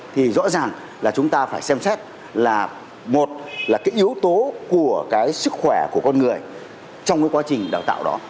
thì rõ ràng là chúng ta phải xem xét là một là cái yếu tố của cái sức khỏe của con người trong cái quá trình đào tạo đó